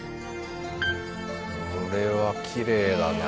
これはきれいだな。